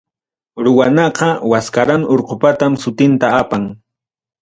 Ruwanaqa, Waskarán urqupatam sutinta apan.